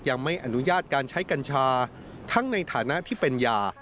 ยังไม่อนุญาตการใช้กัญชาทั้งในฐานะที่เป็นยา